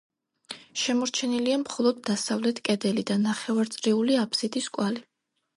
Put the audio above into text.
შემორჩენილია მხოლოდ დასავლეთ კედელი და ნახევარწრიული აბსიდის კვალი.